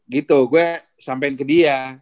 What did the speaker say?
gitu gue sampein ke dia